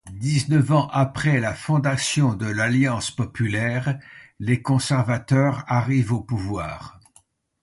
Dix-neuf ans après la fondation de l'Alliance populaire, les conservateurs arrivent au pouvoir.